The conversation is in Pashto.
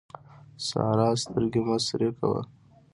سارا سترګې مه سرې کوه.